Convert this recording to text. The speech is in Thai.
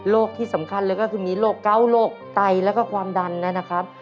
ที่สำคัญเลยก็คือมีโรคเก้าโรคไตแล้วก็ความดันนะครับ